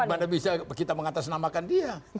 mana bisa kita mengatasnamakan dia